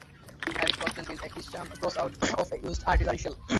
Harry Stodgen built a Christian cross out of a used artillery shell.